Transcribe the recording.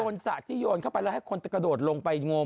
โยนศักดิ์ที่โยนเข้าไปแล้วให้คนจะกระโดดลงไปมอง